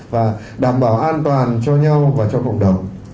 và đảm bảo an toàn cho nhau và cho cộng đồng